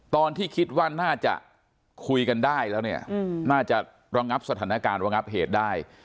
ตอนที่คิดว่าน่าจะคุยกันได้แล้วเนี่ยน่าจะระงับสถานการณ์ระงับเหตุได้